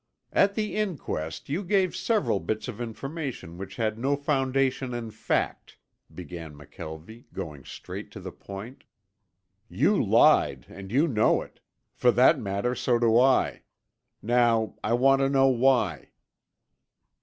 "At the inquest you gave several bits of information which had no foundation in fact," began McKelvie, going straight to the point. "You lied and you know it. For that matter so do I. Now I want to know why?"